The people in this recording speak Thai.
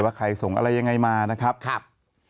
ว่าใครส่งอะไรยังไงมานะครับ